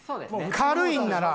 軽いんなら。